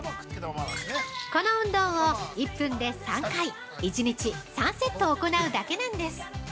◆この運動を１分で３回１日３セット行うだけなんです。